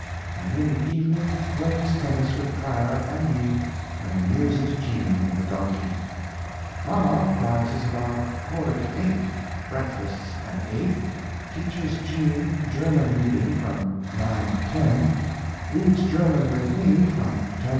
and in the evening plays tennis with Clara and me and amuses Jean and the donkey. Mama rises about 1/4 to eight, breakfasts at eight, teaches Jean German reading from 9 10; reads German with me from 10 11.